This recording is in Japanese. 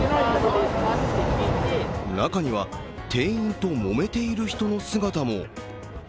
中には店員ともめている人の姿も。